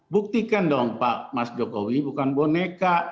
buktikan dong pak mas jokowi bukan boneka